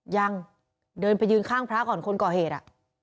ยังเดินไปยืนข้างพระก่อนคนก่อเหตุ